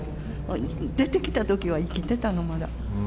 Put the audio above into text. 出てきたときは生きてたの、まだ。